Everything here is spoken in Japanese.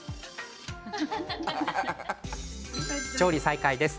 調理、再開です。